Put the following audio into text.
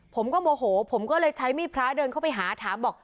โมโหผมก็เลยใช้มีดพระเดินเข้าไปหาถามบอก